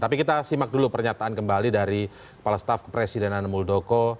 tapi kita simak dulu pernyataan kembali dari kepala staf kepresidenan muldoko